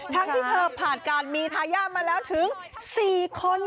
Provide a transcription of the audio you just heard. ทั้งที่เธอผ่านการมีทายาทมาแล้วถึง๔คน